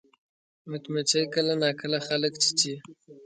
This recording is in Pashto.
مچمچۍ کله ناکله خلک چیچي